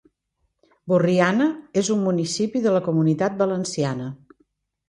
Borriana és un municipi de la Comunitat Valenciana.